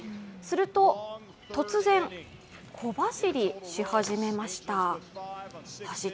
すると突然、小走りし始めました。